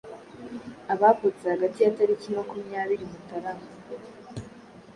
abavutse hagati ya tariki makumyabiri Mutarama